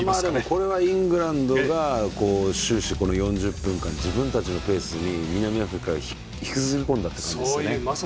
これはイングランドが終始、４０分間自分たちのペースに南アフリカを引きずり込んだという感じですね。